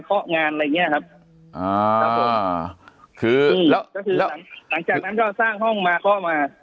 เคาะงานอะไรอย่างเงี้ยครับอ่าคือแล้วแล้วหลังจากนั้นก็สร้างห้องมาเคาะมา